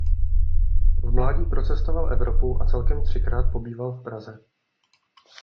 V mládí procestoval Evropu a celkem třikrát pobýval v Praze.